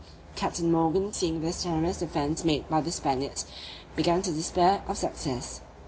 Captain Morgan seeing this generous defence made by the Spaniards, began to despair of success.